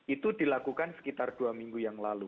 itu dilakukan sekitar dua minggu yang lalu